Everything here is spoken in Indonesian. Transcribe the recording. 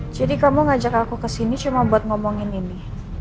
jadi kamu ngajak aku ke sini cuma buat ngomongin ini